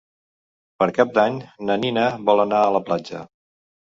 Per Cap d'Any na Nina vol anar a la platja.